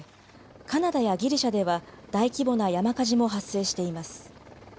カナダやギリシャでは大規模な山火事も発生しています。